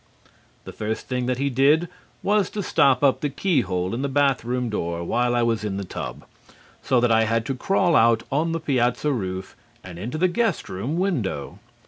The first thing that he did was to stop up the keyhole in the bath room door while I was in the tub, so that I had to crawl out on the piazza roof and into the guest room window.